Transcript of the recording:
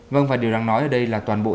vâng và điều đang nói ở đây là toàn bộ số lợi